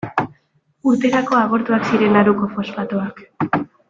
Urterako agortuak ziren Nauruko fosfatoak.